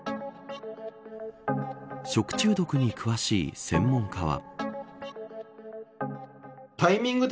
食中毒に詳しい専門家は。